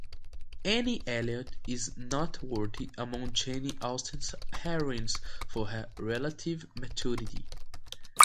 Anne Elliot is noteworthy among Jane Austen's heroines for her relative maturity.